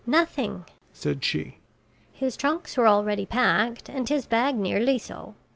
"Nothing," said she: "his trunks were already packed and his bag nearly so.